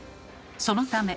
そのため。